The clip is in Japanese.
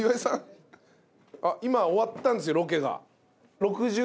今終わったんですよロケが。